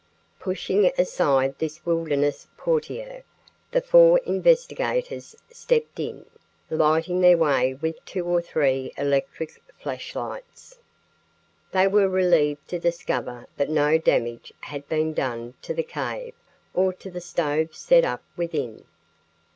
Pushing aside this wilderness portiere, the four investigators stepped in, lighting their way with two or three electric flash lights. They were relieved to discover that no damage had been done to the cave or to the stove set up within.